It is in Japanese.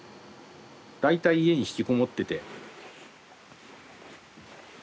大体家に引きこもってて。